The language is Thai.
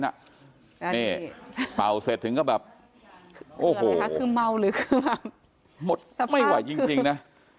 นี่เป่าเสร็จถึงก็แบบโอ้โหหมดไม่ไหวจริงนะ